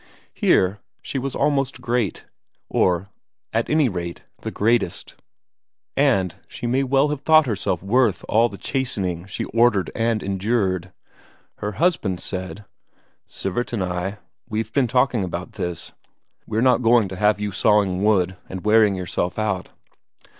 Here, she was almost great at any rate, the greatest; and she may well have thought herself worth all the chastening she ordered and endured. Her husband said: "Sivert and I, we've been talking about this; we're not going to have you sawing wood, and wearing yourself out."